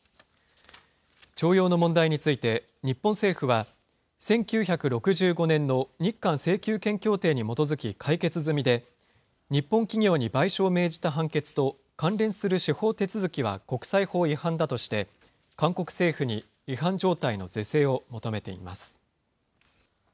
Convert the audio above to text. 徴用の問題について、日本政府は、１９６５年の日韓請求権協定に基づき、解決済みで、日本企業に賠償を命じた判決と、関連する司法手続きは国際法違反だとして、韓国政府に違反状態の是正を求めています。